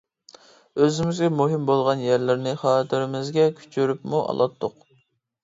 ئۆزىمىزگە مۇھىم بولغان يەرلىرىنى خاتىرىمىزگە كۆچۈرۈپمۇ ئالاتتۇق.